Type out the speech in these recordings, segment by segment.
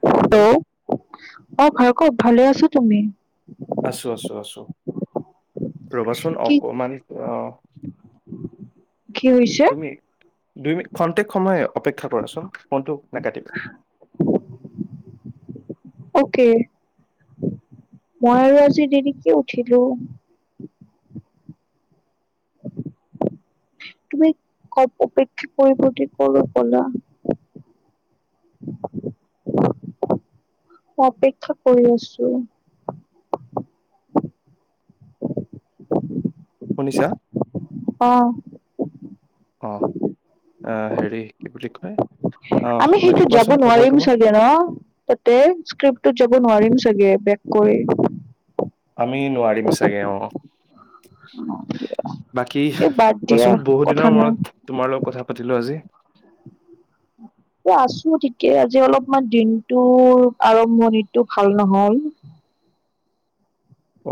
Hello অ, ভাল। ক'ত ভালে আছোঁ তুমি। আছোঁ, আছোঁ, আছোঁ। ৰবাচোন কি অকমানি অহ কি হৈছে? তুমি। দুই মিনিট, খন্তেক সময় অপেক্ষা কৰাচোন ফোনটো নেকাটিবা অকে মই আৰু আজি দেৰিকে উঠিলোঁ। তুমি ক' অপেক্ষা কৰিব দি ক'লৈ গ'লা অপেক্ষা কৰি আছোঁ। শুনিছা অহ। অ আহ হেৰি কি বুলি কয় আহ আমি বাকী সেইটো যাব কোৱাচোন খবৰ নোৱাৰিম তোমাৰ ছাগে ন তাতে স্ক্ৰিপট যাব নোৱাৰিম চাগে বেগ কৰি আমি নোৱাৰিম চাগে অ' বাকী এই বাদ দিয়া কোৱাচোন বহুত কথা দিনৰ নাই। মূৰত তোমাৰ লগত কথা পাতিলোঁ আজি আছো তেতিয়া আজি অলপমান দিনটো আৰম্ভণিটো ভাল নহ'ল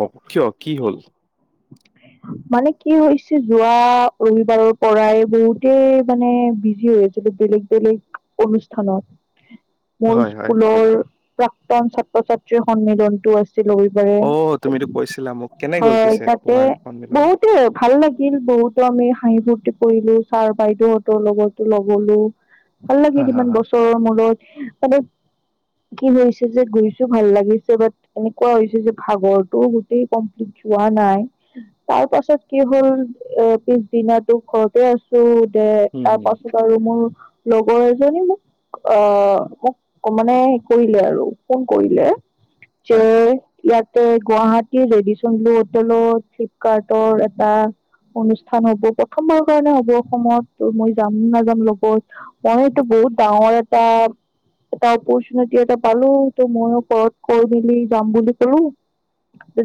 অ' কিয় কি হ'ল? মানে কি হৈছে যোৱা ৰবিবাৰৰ পৰাই বহুতেই মানে বিজি হৈ আছিলোঁ, বেলেগ-বেলেগ অনুষ্ঠানত মোৰ হয় হয় স্কুলৰ প্ৰাক্তন ছাত্ৰ-ছাত্ৰীৰ সন্মিলন টো আছিল ৰবিবাৰে অ তুমিতো কৈছিলা মোক কেনে গ'ল হয় পিছে তাতে তোমাৰ। সন্মিলন বহুতে ভাল লাগিল বহুতো আমি হাঁহি ফূুৰ্তি। কৰিলোঁ ছাৰ বাইদেউহঁতৰ লগতো নগলোঁ। ভাল হা লাগিল হা ইমান হা বছৰৰ মূৰত। মানে কি হৈছে যে গৈছোঁ ভাল লাগিছে বাট এনেকুৱা হৈছে যে ভাগৰটো গোটেই কমপ্লিট যোৱা নাই। তাৰ পাছত কি হ'ল এ পিছদিনা তো ঘৰতে আছোঁ। যে হম তাৰ হম পাছত আৰু মোৰ। লগৰ এজনী মোক আহ মোক মানে কৰিলে আৰু ফোন কৰিলে। যে হয় ইয়াত এই গুৱাহাটীৰ ৰেডিচনবোৰ হোটেলত। কাৰ্টৰ এটা অনুষ্ঠান হ'ব প্ৰথমবাৰৰ কাৰণে হব অসমত ত মই যাম নাযাম লগত মইটো বহুত ডাঙৰ এটা এটা অপৰচুনিটি এটা পালোঁ ত মইয়ো ঘৰত কৈ মেলি যাম বুলি কলোঁ।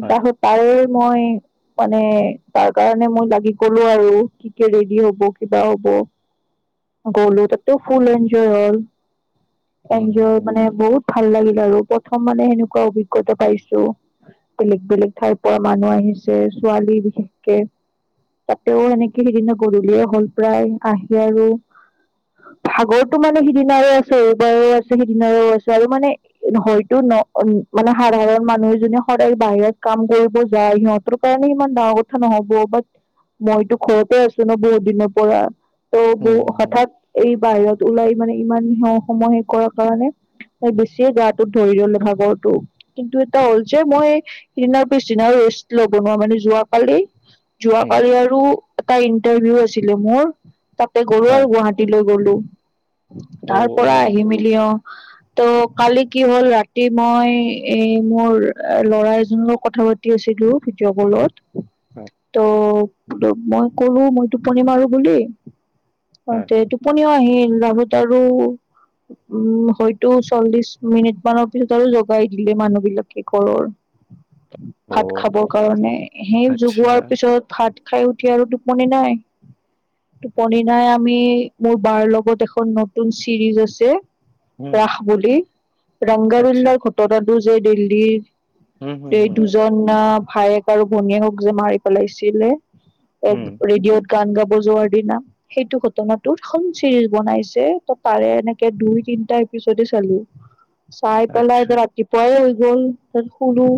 হয় সোতাৰে। মই মানে তাৰ কাৰণে মই লাগি গলো আৰু কেতিয়া ৰেডি হব কিবা হব গলো তাতেও ফুল এনজয় হ'ল। হম হম এনজয় হম মানে বহুত ভাল লাগিল আৰু প্ৰথম মানে সেনেকুৱা অভিজ্ঞতা পাইছো বেলেগ -বেলেগ ঠাইৰ পৰা মানুহ আহিছে। যে ছোৱালী বিশেষকে তাতেও এনেকে সিদিনা গধূলিয়ে হল প্ৰায় আহি আৰু ভাগৰতটো মানে সিদিনাৰে আছে এইবাৰো আছে সিদিনাৰো আছে আৰু মানে হয়তো ন মানে সাধাৰণ মানুহ জোনে সদায় বাহিৰত কাম কৰিব যায় সিহঁত তৰ কাৰণে ইমান ডাঙৰ কথা নহব বট মইতো ঘৰতে আছো ন বহুত দিনৰ পৰা। ত হম হম হঠাৎ এই বাহিৰত ওলাই মানে ইমান স সময়ে কৰা কাৰণে এ বেছিয়ে গাটোত ধৰি ললে ভাগৰটো কিন্তু এটা হ'ল যে মই সিদিনাৰ পিছদিনাৰ লবনোৱা মানে যোৱাকালি হম যোৱাকালি আৰু এটা ইন্টাৰভিউ আছিলে মোৰ। তাতে গলো হয় আৰু গুৱাহাটীলৈ গলো অ তাৰ অ পৰা আহি মেলি অহ। ত কালি কি হল ৰাতি মই এই মোৰ লৰা এজন লগ কথা পাতি আছিলো ভিডিঅ' কলত। হয় ত বোলো মই কলো মই টোপনি মাৰো বুলি। হয় কওঁতে এইটো পত টোপনিও আহিল ৰাবত আৰু উম হয়তো চল্লিশ মিনিট মানৰ পিছত আৰু জগাই দিলে মানুহ বিলাকে ঘৰৰ। ভাত খাব। মানে সেই আচ্ছা জগোৱাৰ পিছত ভাত খাই উঠি আৰু টোপনি নাই -টোপনি নাই আমি মোৰ বাৰ লগত এখন নতুন চিৰিজ আছে উম, ৰাস বুলি আচ্ছা। ৰংগাবিল্লাৰ ঘটনাটো যে হুম, হুম, দিল্লীৰ এই হুম, দুজন অহ ভায়েক আৰু ভনীয়েকক যে মাৰি পেলাইছিলে। এক হুম, ৰেডিঅ' গান গাব যোৱাৰ দিনা সেইটো ঘটনাটোত এখন চিৰিজ বনাইছে ত তাৰে এনেকে দুই তিনটা এপিচডে চালো। চাই পেলাই আচ্ছা। ৰাতি পোৱায়েই গল তাৰপিছত শোলু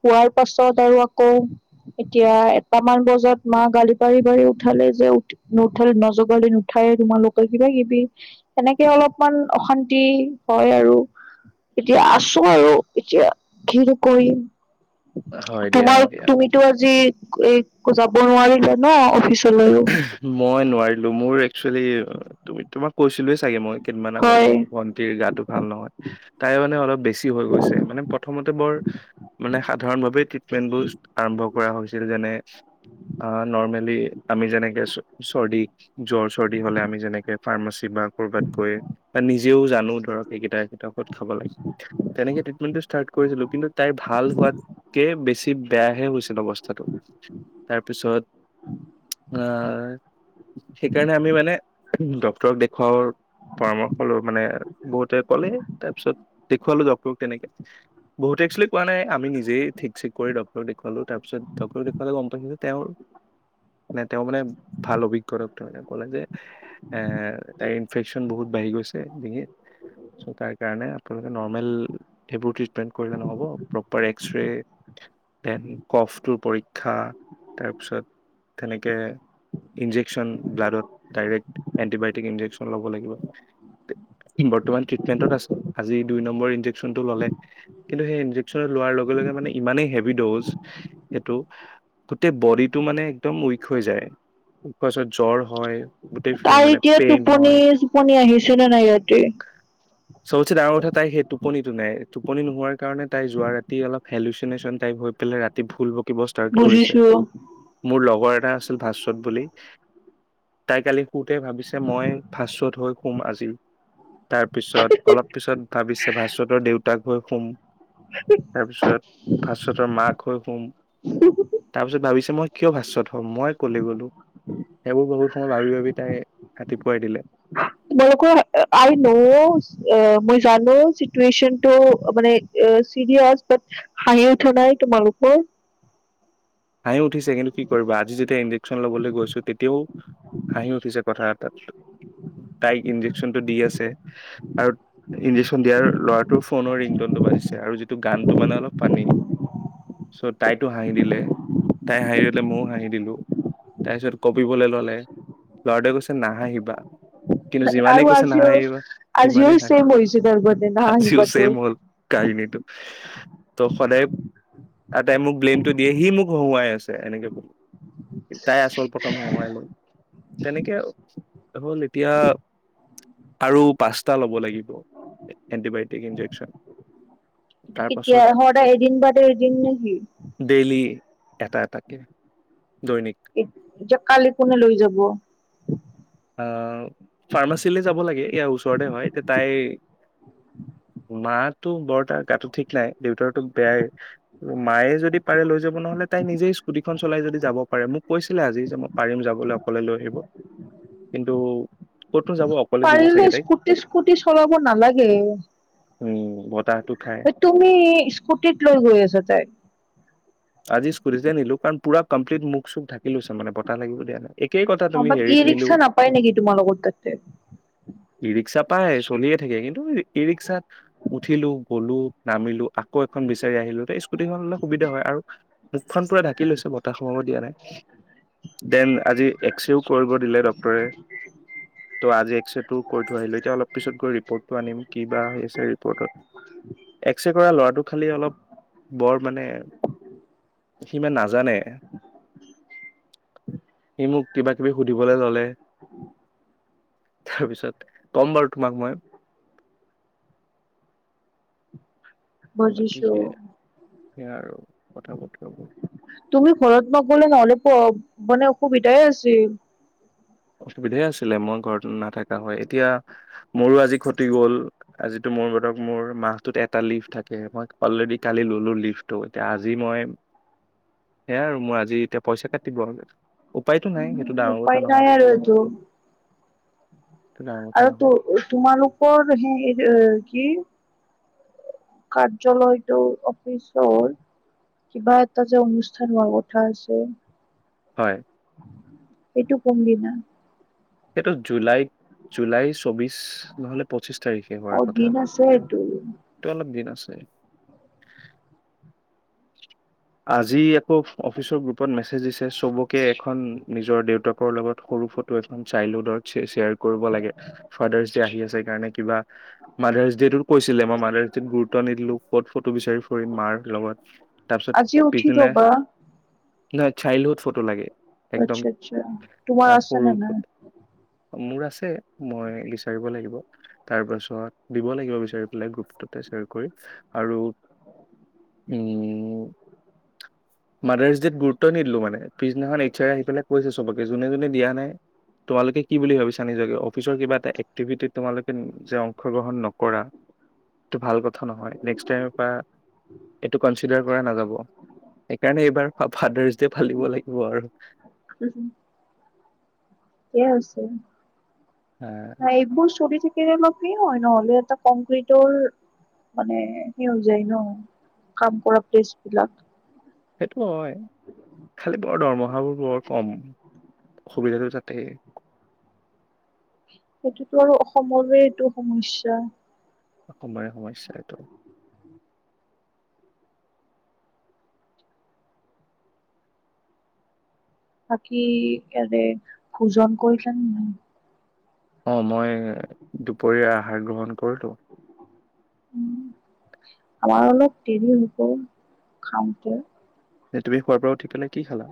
শোৱাৰ পাছ ত আৰু আকৌ এতিয়া এটামান বজাত মা গালি পাৰি- পাৰি উঠালে যে উঠ নুঠাল নজগালি নুঠায়ে তোমালোকে কিবা কিবি এনেকে অলপমান অশান্তি হয় আৰু এতিয়া আছো আৰু এতিয়া ঘিৰ কৰিম। হয় দিয়া, তোমাৰ হয় দিয়া। তুমিতো আজি এই যাব নোৱাৰিলা ন অফ [unintelligible] মই নোৱাৰিলো মোৰ একচু একচুয়েলি তুমি তোমাক কৈছিলোৱে চাগে মই। কেদিনমান আগতে হয় মোৰ ভণ্টিৰ গাটো ভাল নহয়। তাই মানে অলপ বেছি হৈ গৈছে মানে প্ৰথমতে বৰ মানে সাধাৰণভাৱে ট্ৰিটমেন্ট বোৰ আৰম্ভ কৰা হৈছিল যেনে আহ নৰ্মেলি আমি যেনেকে চৰ্দি, জ্বৰ, চৰ্দি হ'লে আমি যেনেকে ফাৰ্মাচী বা ক'বাতকৈ বা নিজ- জেও জানো ধৰক এইকেইটােইটা ক'ত খাব লাগে তেনেকে ট্ৰিটমেন্টটো ষ্টাৰ্ট কৰিছিলো। কিন্তু তাইৰ ভাল হোৱাতকে বেছি বেয়াহে হৈছিল অৱস্থাটো তাৰপিছত আহ, সেইকাৰণে আমি মানে ডক্তৰ দেখুৱাৰ পৰামৰ্শ ল মানে বহুতে ক'লে তাৰ পিছত দেখুৱালো ডক্তৰ তেনেকে, বহুতে একছুৱেলি কোৱা নাই আমি নিজেই ঠিক ঠিক কৰি ডক্তৰ দেখুৱালো তাৰ পিছত ডক্তৰ দেখুৱালে গম পাইছো তেওঁৰ নে তেওঁ মানে ভাল অভিজ্ঞতাক তেওঁ মানে ক'লে যে তাইৰ ইনফেকচন বহুত বাঢ়ি গৈছে ডিঙিত চ' তাৰ কাৰণে আপোনালোকে নৰ্মেল সেইবোৰ ট্ৰিটমেণ্ট কৰিলে নহ'ব প্ৰপাৰ এক্সৰে দেন কফটোৰ পৰীক্ষা তাৰপিছত তেনেকে ইনজেকচন ব্লাডত ডাইৰেক্ট এণ্টিবায়টিক ইনজেকচন ল'ব লাগিব। বৰ্তমান ট্ৰিটমেন্টত আছো আজি দুই ন- মই ইনজেকচন তো ললে কিন্ত সেই ইনজেকচন তো লোৱাৰ লগে লগে ইমান সেভি ডউচ গোটেই বডিটো মানে, একদম উইক হৈ যায়। ওত পাছত জ্বৰ হয় গোটেই তাই মানে এতিয়া পেইন টোপনি হয় চোপনি আহিছে নে নাই ৰাতি চবচে ডাঙৰ কথা তাই সেই টোপনিটো নাই। টোপনি নোহোৱাৰ কাৰণে তাই যোৱা ৰাতি অলপ হচনেশ্যনাই হৈ পেলাই ৰাতি ভুল থিব ষ্টাৰ্ট কৰিছে। বুজিছো মোৰ লগৰ এটা আছিল ভাস্ত বুলি তাই কালি শুতে ভাবিছে মই ভাস্তত হৈ শুম আজি। তাৰ পিছত অলপ পিছত ভাবিছে ভাস্তৰ দেউ- তাক লৈ শুম তাৰপিছত ভাস্তৰ মাক হৈ শুম তাৰ পিছত ভাবিছ মই কিয় ভাষ্যত হ' মই কলে গলো সেইবোৰ বহুত সময় ভাবি ভাবি তাই ৰাতিপুৱাই দিলে বৰকোৱা আই নোচ মই জানো চিটুৱেচনটো মানে চিৰিয়াচ ব হাঁহি উঠোৱা নাই তোমালোকৰ হাঁহি উঠিছে কিন্তু কি কৰিবা আজি যেতিয়া ইনজেকশ্যন লবলৈ গৈছো তেতিয়াও হাঁহি উঠিছে কথাত তাৰপিছত তাইক ইনজেকচন টো দি আছে। আৰু ইঞ্জেকচন দিয়াৰ ল'ৰাটোৰ ফোনৰ ৰিংটনটো বাজিছে আৰু যিটো গানটো মানে অলপ ফানী চ' তটাইতটো হাঁহি দিলে। তাই হাঁহি দিলে ময়ো হাঁহি দিলো তাৰ পিছত কঁপিবলৈ ললে লৰাটোৱে কৈছে নাহাঁহিবা। কিন্তু যিমানেই আৰু কৈছে আজিও নাহাঁহিবা আজিও সিমানেই হাঁহে ছেম হৈছে তাৰ মানে আজিও নাহাঁহিবাতো ছেম হ'ল কাহিনীটো। ত' সদায় তাই মোক ব্লেইমটো দিয়ে সি মোক হহুৱাই আছে এনেকে বল তাই আচল প্ৰথম হহুৱাই লৈ তেনেকে হ'ল এতিয়া আৰু পাঁচটা ল'ব লাগিব এণ্টিবায়টিক ইনজেকচন। তাৰ কেতিয়া পাছত সদায় এদিন বা এদিন নেকি? ডেইলি এটা এটাকে দৈনিক এত কালি কোনে লৈ যাব। আহ ফাৰ্মাচীলে যাব লাগে ইয়াৰ ওচৰতে হয় এতিয়া তাই মাতো বৰ তাৰ গাটো ঠিক নাই দেউতাৰ তোক বেয়াই মায়ে যদি পাৰে লৈ যাব নহ'লে তাই নিজেই স্কুটিখন চলাই যদি যাব পাৰে মোক কৈছিলে আজি যে মই পাৰিম যাবলৈ অকলে লৈ আহিব। কিন্তু ক'তনো যাব অকলে দিব পাৰিলে চাগে তাইক স্কুটি স্কুটি চলাব নালাগে। উম বতাহ। তুমি স্কুটিত লৈ গৈ আছা তাইক। আজি স্কুটিতে নিলো কাৰণ পুৰা কমপ্লিট মোক চোক ঢাকি লৈছে মানে বতাহ লাগিব দিয়া নাই। একেই কথা অ তুমি বাট ই হেৰিত নিলো ৰিক্সা নাপায় নেকি তোমালোকৰ তাতে ই ৰিক্সা পাই চলিয়ে থাকে কিন্তু ই ৰিক্সাত উঠিলো গলো নামিলো। আকৌ এখন বিচাৰি আহিলোঁ স্কুটিখন লৈ সুবিধা হয় আৰু। মুখখন পুৰা ঢাকি লৈছো বতাহ সোমাব দিয়া নাই দেন আজি এক্সৰেও কৰিব দিলে ডক্টৰে ত' আজি এক্সৰেটো কৰি থৈ আহিলে এতিয়া অলপ পিছত গৈ ৰিপৰ্টটো আনিম কিবা আছে ৰিপৰ্টত এক্সৰে কৰা। কৰাটো খালি অলপ বৰ মানে। সিমান নাজানে। [inaudible] সি মোক, কিবা কিবি সুধিবলৈ ললে। তাৰপিছত কম বাৰু তোমাক মই। বুজিছোঁ। সেইয়া আৰু। কথা বতৰাবোৰ। বোলে নহ'লে মানে অসুবিধাই আছিল। অসুবিধাই আছিলে মই ঘৰত নাথাকা হয় এতিয়া মোৰো আজি খতি গল আজিতো মোৰ ব মোৰ মাহটোত এটা লিভ থাকে মই অলৰেডি কালি ললো লিভটো এতিয়া আজি মই সেয়াই আৰু মই আজি এতিয়া পইচা কাটিব। উপায়তো নাই সেইটো ডাঙৰ কথা নহয়। ত। সেইটো ডাঙৰ কথা আৰু ত নহয় তোমালোক। তোমালোকৰ কি কাৰ্যালয়টো অফিচৰ কিবা এটা যে অনুষ্ঠান হোৱা কথা আছে। হয়। এইটো কোনদিনা। সেইটো জুলাই জুলাই চৌবিশ নহলে পঁচিশ তাৰিখে হোৱাৰ অ কথা দিন আছে এইটো তটো অলপ দিন আছ। আছে। আজি। অফিচৰ গ্ৰুপত মেছেজ দিছে। চবকে এখন নিজৰ দেউতাকৰ লগত সৰু ফটো এখন চাইল্ডহুডত শ্বেয়াৰ কৰিব লাগে ফাদাৰ্চ দে আহি আছে সেই কাৰণে কিবা মডাৰ্চ ডে টোত কৈছিলে মই মডাৰ্চ ডেত গুৰুত্ব নিদিলো ক'ত ফটো বিচাৰি ফটো মাৰ লগত। তাৰপিছত আজি উঠি থবা নাই চাইল্ডহুড ফটো লাগে। একদম আচ্ছা আচ্ছা তোমাৰ আহ, আছে সৰু নে নাই? ফটো মোৰ আছে মই বিচাৰিব লাগিব তাৰ পাছত দিব লাগিব বিচাৰি পেলাই গ্ৰুপটোতে শ্বেয়াৰ কৰি আৰু উম। মডাৰ্চ ডেত গুৰুত্ব নিদিলো মানে পিছদিনাখন এই আহি পেলাই কৈছে সবকে যোনে যোনে দিয়া নাই তোমালোকে কি বুলি ভাবিছা নিজকে অফিচৰ কিবা এটা এক্টিভিটিত তোমালোকে যে অংশগ্ৰহণ নকৰা এইটো ভাল কথা নহয় নক্ এইটো কনচিডাৰ কৰা নাযাব সেইকাৰণে এইবাৰ ফাদাৰ্চ ডে ফালিব লাগিব আৰু। কছে হা [unintelligible] হ একবোৰ চৰ [unintelligible] সেইয়া লৈকেও হয় নহলে এটা কংক্ৰিটৰ মানে সেই হৈ যায় ন, কাম কৰা প্লেচ বিলাক। সেইটো হয় খালী বৰ দৰমহাবোৰ বৰ কম। অসুবিধাটো তাতেই। সেইটোতো আৰু অসমৰে এইটো সমস্যা। অসমৰে সমস্যা এইটো বাকী এৰে ভোজন কৰিছা নে নাই? অ মই দুপৰীয়া আহাৰ গ্ৰহন নকৰিলো। উ আমাৰ অলপ দেৰি হব, খাওঁতে। স তুমি খোৱাৰ পৰা উঠি পেলাই কি খালা?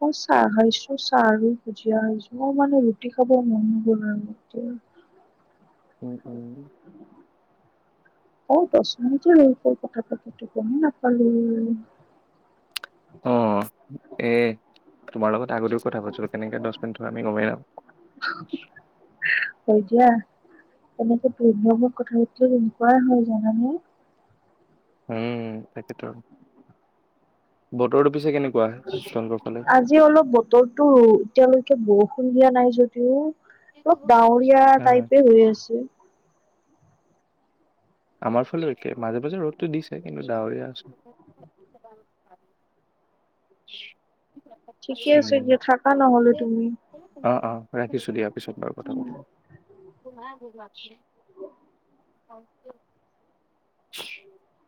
মই চাহ খাইছো, চাহ আৰু ভুজিয়া খাইছো। মই মানে ৰুটি খাব মন নগল আৰু [inaudible] উ [inaudible] [inaudible] অ দছ মিনিট [inaudible] কথা পতিলো গুম নাপালো। অ এ তোমাৰ লগত আগতেও কথা পাতিছিলো কেনেকে দছ মিনিট হয় আমি গমেই নাপাও। হয় দিয়া। তেনেকে [inaudible] কথা পাতিলে তেনেকুৱাই হয় জানানে উম তাকেতো আৰু। বতৰটো পিছে কেনেকুৱা? তোমালোকৰ ফালে? আজি অলপ বতৰটো এতিয়ালৈকে বৰষুণ দিয়া নাই যদিও অব ডাৱৰীয়া হা হা টাইপে হৈ আছে। আমাৰ ফালেও একেই মাজে মাজে ৰদটো দিছে। কিন্তু ডাৱৰীয়া আছে [inaudible] ঠিকে আছে দিয়া থাকা নহ'লে তুমি। [inaudible] অ অ ৰাখিছো দিয়া পিছত বাৰু কথা পাতিম। [inaudible] হয়। [inaudible]